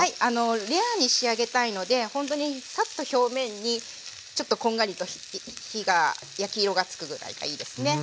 レアに仕上げたいのでほんとにサッと表面にちょっとこんがりと火が焼き色がつくぐらいがいいですね。